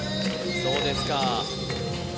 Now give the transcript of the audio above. そうですか